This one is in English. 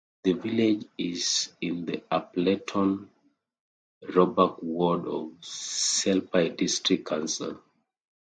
The village is in the Appleton Roebuck ward of Selby District Council.